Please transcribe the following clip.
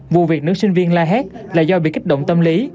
vụ việc nữ sinh viên la hét là do bị kích động tâm lý